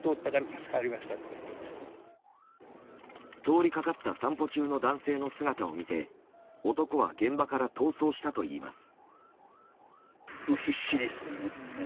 通りかかった散歩中の男性の姿を見て男は現場から逃走したといいます。